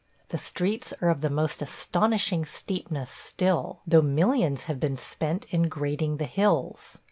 The streets are of the most astonishing steepness still, though millions have been spend in grading the hills.